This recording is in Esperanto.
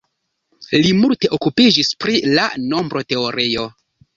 Li multe okupiĝis pri la nombroteorio.